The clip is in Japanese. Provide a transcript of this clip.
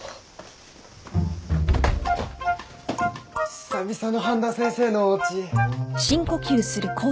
久々の半田先生のおうち。